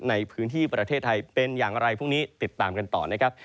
ในพื้นที่ประเทศไทยเป็นอย่างไรพรุ่งนี้ติดตามกันต่อนะครับ